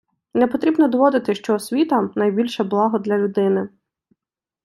Не потрібно доводити, що освіта - найбільше благо для людини.